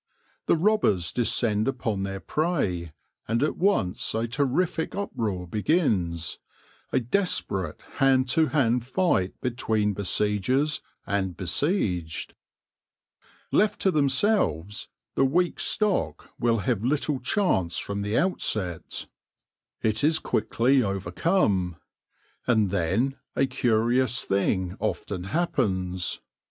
The robbers descend upon their prey, and at once a terrific uproar begins, a desperate hand to hand fight between besiegers and besieged. Left to themselves, the weak stock will have little chance from the outset. It is quickly overcome. And then a curious thing often happens.